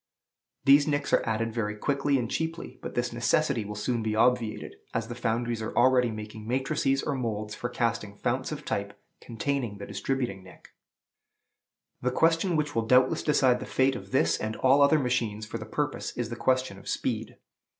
These nicks are added very quickly and cheaply; but this necessity will soon be obviated, as the foundries are already making matrices or moulds for casting founts of type containing the distributing nick. The question which will doubtless decide the fate of this and all other machines for the purpose is the question of speed.